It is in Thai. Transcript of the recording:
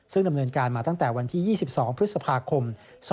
ซึ่งดำเนินการมาตั้งแต่วันที่๒๒พฤษภาคม๒๕๖